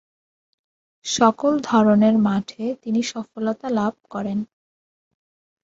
সকল ধরনের মাঠে তিনি সফলতা লাভ করেন।